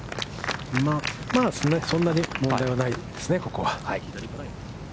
まあそんなに、問題はないですね、ここは。